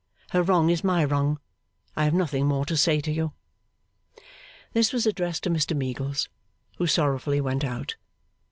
Her wrong is my wrong. I have nothing more to say to you.' This was addressed to Mr Meagles, who sorrowfully went out.